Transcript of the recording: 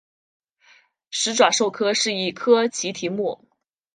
始爪兽科是一科奇蹄目。